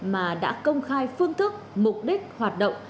mà đã công khai phương thức mục đích hoạt động